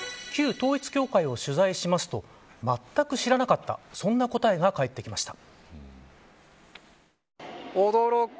旧統一教会を取材しますとまったく知らなかったそんな答えが返ってきました。